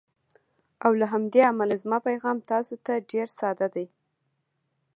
او له همدې امله زما پیغام تاسو ته ډېر ساده دی: